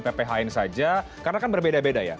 pphn saja karena kan berbeda beda ya